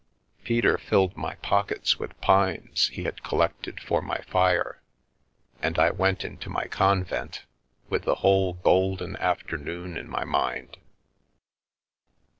Peter filled my pockets with pines he had collected for my fire, and I went into my convent, with the whole golden aft ernoon in my mind.